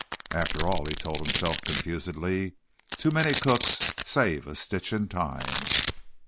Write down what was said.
After all, he told himself confusedly, too many cooks save a stitch in time.